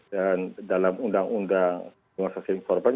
dan dalam undang undang penguasa sering korban